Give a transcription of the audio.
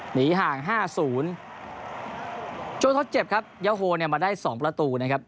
หนีห่าง๕๐จุดโทษเจ็บครับยาโหมาได้๒ประตูนะครับ